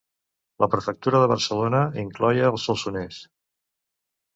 La prefectura de Barcelona incloïa el Solsonès.